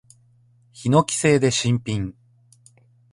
ヒノキ製で新品。